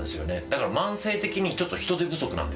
だから慢性的にちょっと人手不足なんですよ。